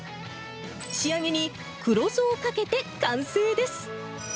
仕上げに黒酢をかけて完成です。